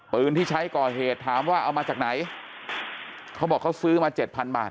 ปืนที่ใช้ก่อเหตุถามว่าเอามาจากไหนเขาบอกเขาซื้อมาเจ็ดพันบาท